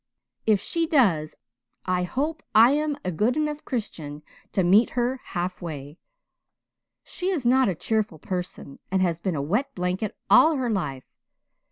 "If she does I hope I am a good enough Christian to meet her half way. She is not a cheerful person and has been a wet blanket all her life.